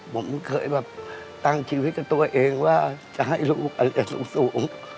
ผมเคยตั้งชีวิตกับตัวเองว่าจะให้ลูกการเรียนสูง